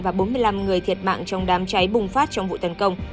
và bốn mươi năm người thiệt mạng trong đám cháy bùng phát trong vụ tấn công